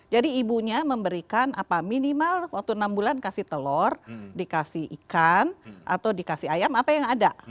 jadi ibunya memberikan apa minimal waktu enam bulan dikasih telur dikasih ikan atau dikasih ayam apa yang ada